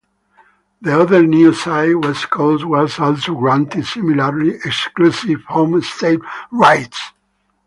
The other new side, West Coast, was also granted similarly exclusive home-state rights.